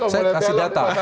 saya kasih data